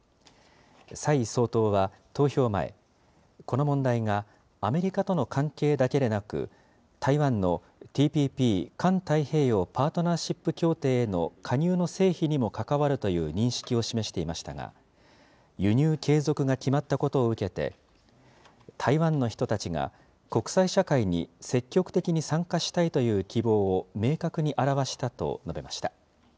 蔡総統は投票前、この問題がアメリカとの関係だけでなく、台湾のＴＰＰ・環太平洋パートナーシップ協定への加入の成否にも関わるという認識を示していましたが、輸入継続が決まったことを受けて、台湾の人たちが国際社会に積極的に参加したいという希望を明確に表したと述べました。